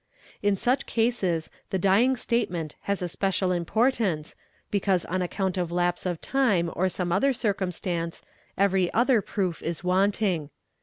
In many such cases the dying statement has a special importance because on account of lapse of time or some other circumstance, every other proof is wanting.